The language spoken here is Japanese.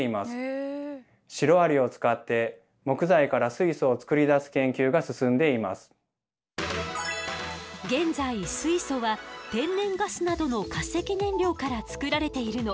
水素は現在水素は天然ガスなどの化石燃料から作られているの。